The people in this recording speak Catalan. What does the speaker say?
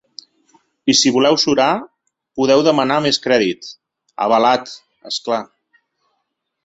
I si voleu surar, podeu demanar més crèdit… avalat, és clar.